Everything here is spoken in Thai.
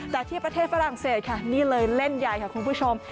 แต่ที่ประเทศฝรั่งเศสค่ะนี่เลยเล่นใหญ่ค่ะคุณผู้ชม